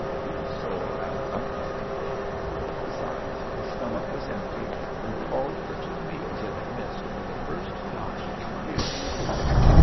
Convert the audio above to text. He was sore and uncomfortable. Besides, his stomach was empty, and called for two meals it had missed for the first time in years.